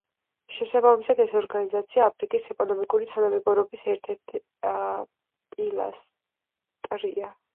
შესაბამისად, ეს ორგანიზაცია აფრიკის ეკონომიკური თანამეგობრობის ერთ-ერთი პილასტრია.